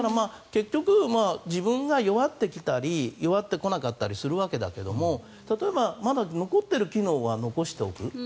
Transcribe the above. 結局自分が弱ってきたり弱ってこなかったりするわけだけど例えば、まだ残っている機能は残しておく。